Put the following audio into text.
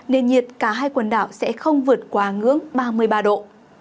nền nhiệt cả hai quần đảo sẽ không vượt qua ngưỡng ba mươi ba độ